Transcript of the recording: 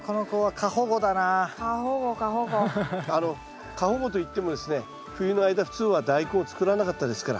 過保護といってもですね冬の間普通はダイコンを作らなかったですから。